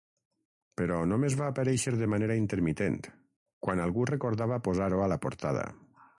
Però només va aparèixer de manera intermitent, quan algú recordava posar-ho a la portada.